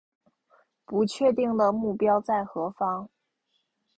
不确定的目标在何方